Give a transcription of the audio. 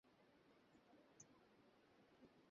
চিঠির বাকি অংশ সে অনেক সন্ধান করিয়াও পায় নাই।